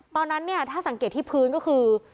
ตอนนั้นเนี่ยถ้าสังเกตที่พื้นก็คือ